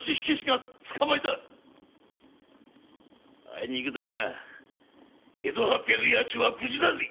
あいにくだが江戸八百八町は無事だぜ。